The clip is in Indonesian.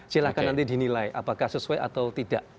silahkan nanti dinilai apakah sesuai atau tidak